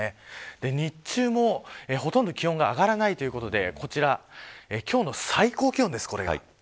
日中もほとんど気温が上がらないということでこちら、今日の最高気温です。